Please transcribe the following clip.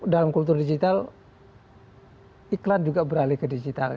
dalam kultur digital iklan juga beralih ke digital